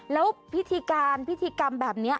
แล้วพิธีกรมแบบนี้